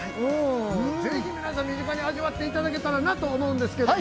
ぜひ皆さん、身近に、味わっていただけたらなと思うんですけれども。